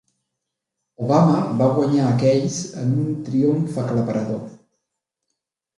Obama va guanyar a Keyes en un triomf aclaparador.